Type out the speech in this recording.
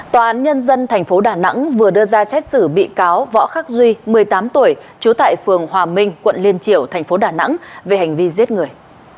tòa án nhân dân tp đà nẵng vừa đưa ra xét xử bị cáo võ khắc duy một mươi tám tuổi chú tại phường hòa minh quận liên triệu tp đà nẵng về hành vi giết người